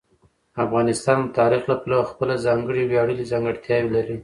افغانستان د تاریخ له پلوه خپله ځانګړې ویاړلې ځانګړتیاوې لري.